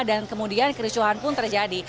dan kemudian kericuhan pun terjadi